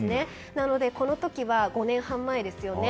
なのでこの時は５年半前ですよね。